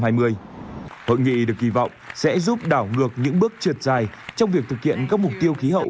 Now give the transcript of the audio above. hội nghị được kỳ vọng sẽ giúp đảo ngược những bước trượt dài trong việc thực hiện các mục tiêu khí hậu